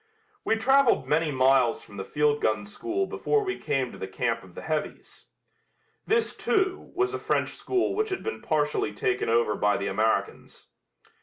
We traveled many miles from the field gun school before we came to the camp of the heavies. This, too, was a French school which had been partially taken over by the Americans.